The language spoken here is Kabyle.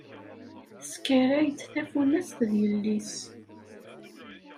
Teskaray-d tafunast d yelli-s.